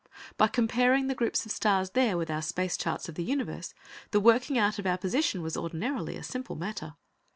By comparing the groups of stars there with our space charts of the universe, the working out of our position was ordinarily, a simple matter.